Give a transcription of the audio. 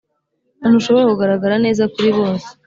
ntushobora kugaragara neza kuri bose